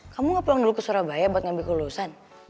kamu gak pulang dulu ke surabaya buat ngambil kelulusan